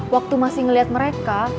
waktu masih ngeliat mereka